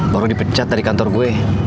baru di pecat dari kantor gue